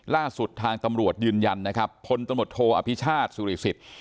ล่าสุดทางตำรวจยืนยันนะครับพลตำรวจโทอภิชาติสุริสิทธิ์